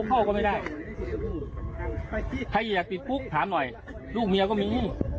เข้าก็ไม่ได้ใครอยากติดคุกถามหน่อยลูกเมียก็มี